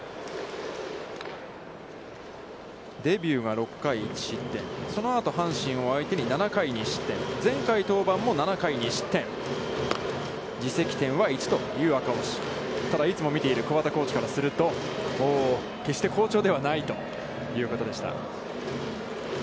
デビューが６回１失点、その後、阪神を相手に７回２失点、前回登板も７回２失点ただ、いつも見ている桑田コーチからすると、決して好調ではないということでした。